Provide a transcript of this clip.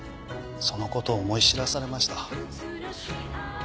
その事を思い知らされました。